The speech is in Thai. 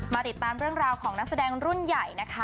ติดตามเรื่องราวของนักแสดงรุ่นใหญ่นะคะ